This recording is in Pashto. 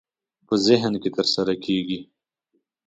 په ذهن کې ترسره کېږي.